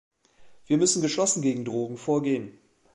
Wir müssen geschlossen gegen Drogen vorgehen.